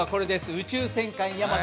「宇宙戦艦ヤマト」